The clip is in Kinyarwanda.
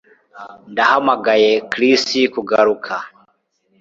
Ndahamagaye Chris kugaruka